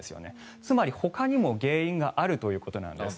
つまりほかにも原因があるということなんです。